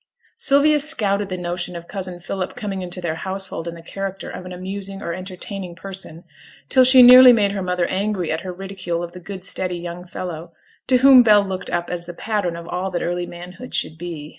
Sylvia scouted the notion of cousin Philip coming into their household in the character of an amusing or entertaining person, till she nearly made her mother angry at her ridicule of the good steady young fellow, to whom Bell looked up as the pattern of all that early manhood should be.